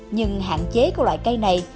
nhưng hạn chế của loại cây này